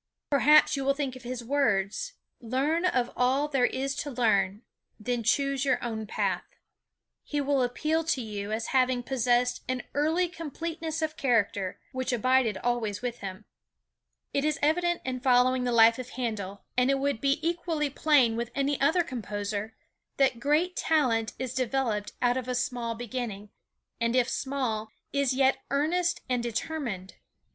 Perhaps you will think of his words: "Learn (of) all there is to learn, then choose your own path." He will appeal to you as having possessed an "early completeness of character," which abided always with him. It is evident in following the life of Handel, and it would be equally plain with any other composer, that great talent is developed out of a small beginning, and if small, is yet earnest and determined.